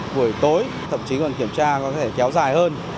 buổi tối thậm chí còn kiểm tra có thể kéo dài hơn